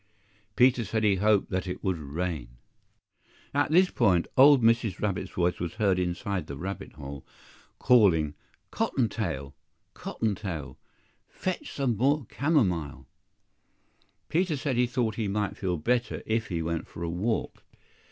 PETER said he hoped that it would rain. At this point, old Mrs. Rabbit's voice was heard inside the rabbit hole calling "Cotton tail! Cotton tail! fetch some more camomile!" Peter said he thought he might feel better if he went for a walk.